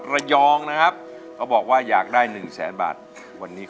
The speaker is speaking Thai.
ร้องได้ให้ล้าง